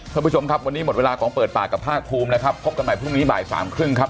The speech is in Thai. ท่านผู้ชมครับวันนี้หมดเวลาของเปิดปากกับภาคภูมินะครับพบกันใหม่พรุ่งนี้บ่ายสามครึ่งครับ